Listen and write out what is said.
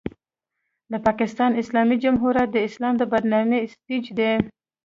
د پاکستان اسلامي جمهوریت د اسلام د بدنامۍ سټېج دی.